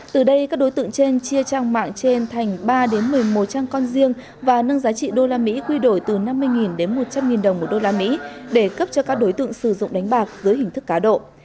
từ đây các đối tượng trên chia trang mạng trên thành ba đến một mươi một trang con riêng và nâng giá trị usd quy đổi từ năm mươi đến một trăm linh đồng usd để cấp cho các đối tượng sử dụng đánh bạc dưới hình thức cá độ